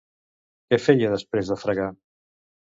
Què feia després de fregar?